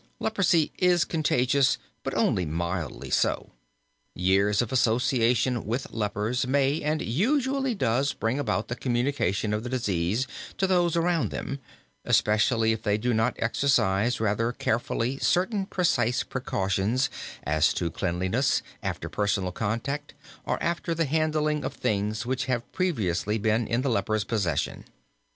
Leprosy is contagious, but only mildly so. Years of association with lepers may and usually does bring about the communication of the disease to those around them, especially if they do not exercise rather carefully certain precise precautions as to cleanliness, after personal contact or after the handling of things which have previously been in the leper's possession.